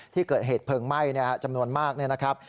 ที่เกิดเหตุเพลิงไหม้จำนวนมากเนี่ยนะครับ